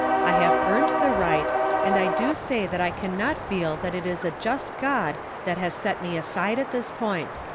I have earned the right, and I do say that I can not feel that it is a just God that has set me aside at this point.